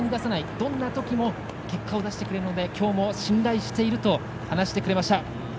どんなときも結果を出してくれるのできょうも信頼していると話してくれました。